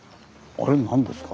あれ何ですか？